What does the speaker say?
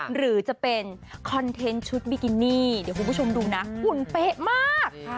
หรือจะเป็นคอนเทนต์ชุดบิกินี่เดี๋ยวคุณผู้ชมดูนะหุ่นเป๊ะมาก